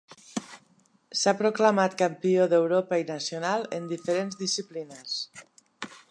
S'ha proclamat campió d'Europa i nacional en diferents disciplines.